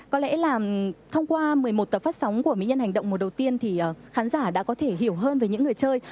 có lẽ là thông qua một mươi một tập phát sóng của mỹ nhân hành động mùa đầu tiên thì khán giả đã có thể hiểu hơn về những người chơi